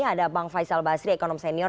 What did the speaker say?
ada bang faisal basri ekonom senior